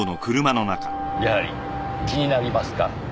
やはり気になりますか？